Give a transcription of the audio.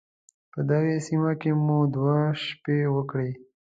په دغې سيمې کې مو دوه شپې وکړې.